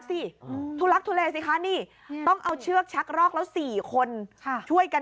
สิทุลักทุเลสิคะนี่ต้องเอาเชือกชักรอกแล้ว๔คนช่วยกัน